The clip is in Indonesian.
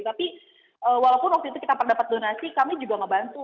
tapi walaupun waktu itu kita dapat donasi kami juga ngebantu